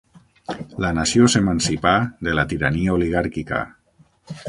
La nació s'emancipà de la tirania oligàrquica.